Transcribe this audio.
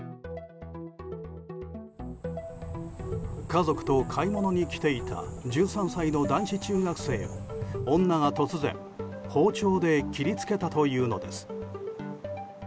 家族と買い物に来ていた１３歳の男子中学生を女が突然包丁で切りつけたというのです。